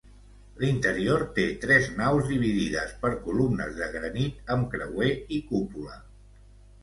L'interior té tres naus dividides per columnes de granit, amb creuer i cúpula.